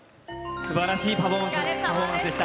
すばらしいパフォーマンスでした。